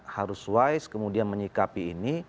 harus wise kemudian menyikapi ini